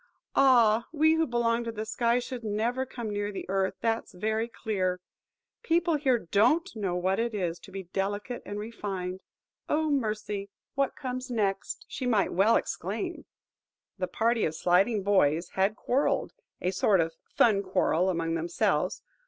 Ah! we who belong to the sky should never come near the earth, that's very clear. People here don't know what it is to be delicate and refined. Oh, mercy! what comes next? ..." She might well exclaim. The party of sliding boys had quarrelled,–a sort of fun quarrel among themselves.